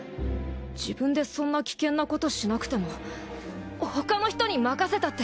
自分でそんな危険なことしなくても他の人に任せたって。